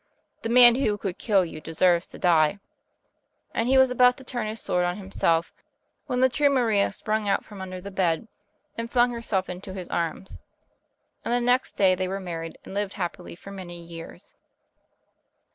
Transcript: The man who could kill you deserves to die!" And he was about to turn his sword on himself, when the true Maria sprung out from under the bed, and flung herself into his arms. And the next day they were married and lived happily for many years.